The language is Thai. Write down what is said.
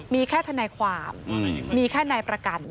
มีแค่ทนายความมีแค่นายประกัน